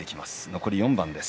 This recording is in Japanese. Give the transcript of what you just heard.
残り４番です。